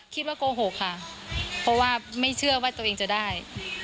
โกหกค่ะเพราะว่าไม่เชื่อว่าตัวเองจะได้